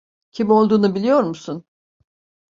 Kim olduğunu biliyor musun?